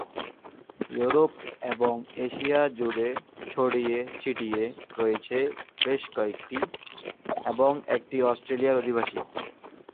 Europe এবং Asia জুড়ে ছড়িয়ে ছিটিয়ে রয়েছে বেশ কয়েকটি, এবং একটি অস্ট্রেলিয়ার অধিবাসী।